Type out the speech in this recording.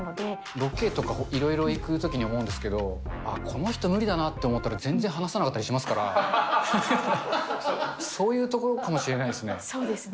ロケとかいろいろ行くときに思うんですけど、あっ、この人無理だなと思ったら、全然話さなかったりするから、そういうところかもしれないですね。